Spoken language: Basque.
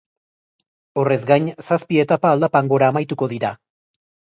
Horrez gain, zazpi etapa aldapan gora amaituko dira.